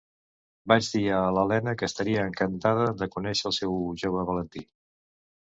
vaig dir a l’Elena que estaria encantada de conéixer el seu jove Valentí.